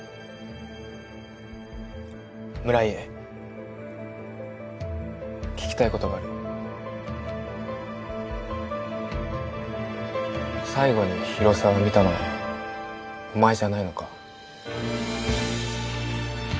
村井聞きたいことがある最後に広沢見たのはお前じゃないのか？